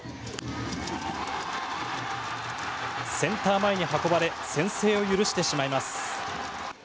センター前に運ばれ先制を許してしまいます。